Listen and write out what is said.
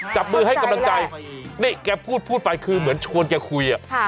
จับมือให้กำลังใจนี่แกพูดพูดไปคือเหมือนชวนแกคุย